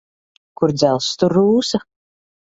Kur dzelzs, tur rūsa.